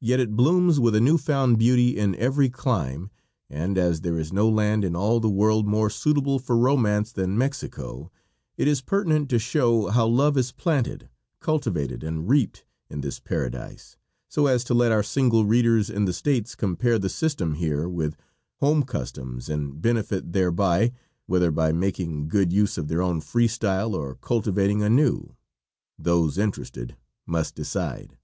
Yet it blooms with a new found beauty in every clime, and as there is no land in all the world more suitable for romance than Mexico, it is pertinent to show how love is planted, cultivated and reaped in this paradise, so as to let our single readers in the States compare the system here with home customs and benefit thereby, whether by making good use of their own free style or cultivating a new, those interested must decide.